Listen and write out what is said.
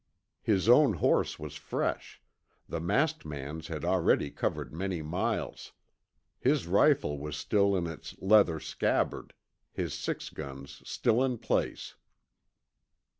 His own horse was fresh, the masked man's had already covered many miles. His rifle was still in its leather scabbard, his six guns still in place.